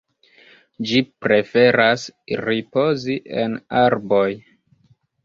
Ĝi preferas ripozi en arboj.